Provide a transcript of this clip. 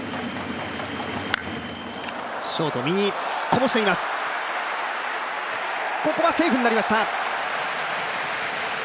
ここはセーフになりました。